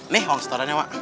nih uang setorannya mak